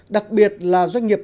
đặc biệt là doanh nghiệp